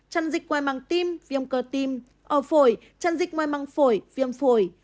chăn dịch ngoài măng tim viêm cơ tim ở phổi chăn dịch ngoài măng phổi viêm phổi